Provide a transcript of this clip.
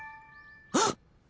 あっ！